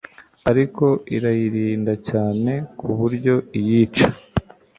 ariko irayirinda cyane kuburyo iyica